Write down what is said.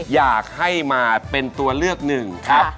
อยากให้มาเป็นตัวเลือกหนึ่งครับ